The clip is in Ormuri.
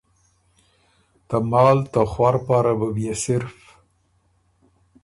ته مال ته خؤر پاره بُو بيې صِرف